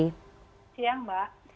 selamat siang mbak